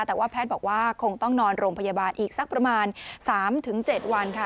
แต่ว่าแพทย์บอกว่าคงต้องนอนโรงพยาบาลอีกสักประมาณ๓๗วันค่ะ